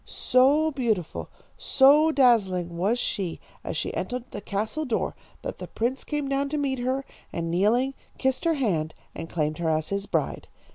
"So beautiful, so dazzling was she as she entered the castle door, that the prince came down to meet her, and kneeling, kissed her hand, and claimed her as his bride.